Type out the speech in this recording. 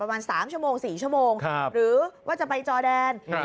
ประมาณสามชั่วโมงสี่ชั่วโมงครับหรือว่าจะไปจอแดนครับ